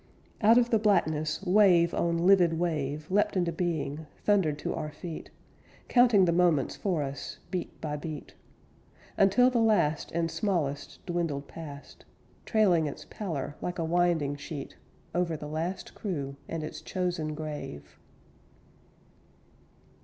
Out of the blackness wave on livid wave Leapt into being thundered to our feet; Counting the moments for us, beat by beat, Until the last and smallest dwindled past, Trailing its pallor like a winding sheet Over the last crew and its chosen grave.